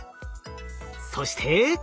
そして。